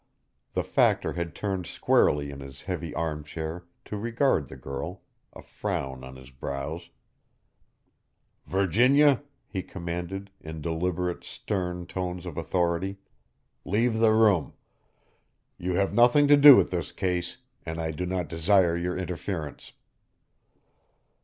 The Factor had turned squarely in his heavy arm chair to regard the girl, a frown on his brows. "Virginia," he commanded, in deliberate, stern tones of authority, "leave the room. You have nothing to do with this case, and I do not desire your interference."